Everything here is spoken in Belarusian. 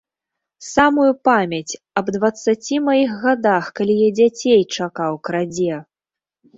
Самую памяць аб дваццаці маіх гадах, калі я дзяцей чакаў, крадзе!